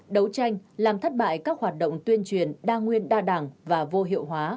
đấu tranh làm thất bại các hoạt động tuyên truyền đa nguyên đa đảng và vô hiệu hóa